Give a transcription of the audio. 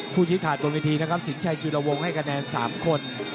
ผู้ชิดขาดตรงวิธีนะครับสินชัยจุดละวงให้กระแนน๓คน